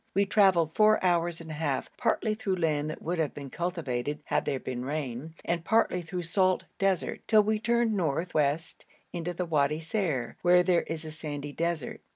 We travelled four hours and a half, partly through land that would have been cultivated had there been rain, and partly through salt desert, till we turned north west into the Wadi Ser, where there is a sandy desert.